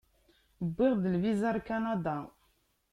Wwiɣ-d lviza ar Kanada.